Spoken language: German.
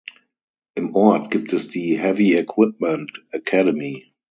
Im Ort gibt es die "Heavy Equipment Academy".